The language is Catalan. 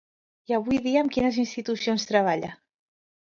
I avui dia amb quines institucions treballa?